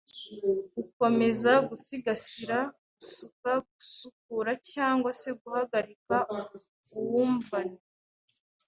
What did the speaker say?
gukomeza gusigasira gusuika gusuukura yangwa se guhagarika uwumvane